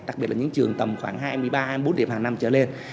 đặc biệt là những trường tầm khoảng hai mươi ba hai mươi bốn điểm hàng năm trở lên